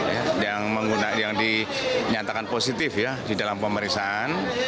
yang menggunakan yang dinyatakan positif ya di dalam pemeriksaan